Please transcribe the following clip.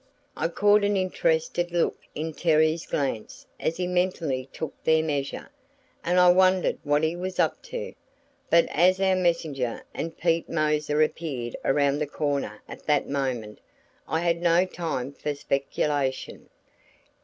I caught an interested look in Terry's glance as he mentally took their measure, and I wondered what he was up to; but as our messenger and Pete Moser appeared around the corner at the moment, I had no time for speculation.